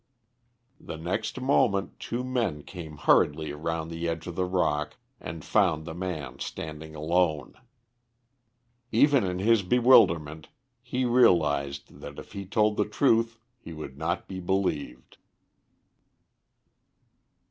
The next moment two men came hurriedly round the edge of the rock, and found the man standing alone. Even in his bewilderment he realised that if he told the truth he would not be believed.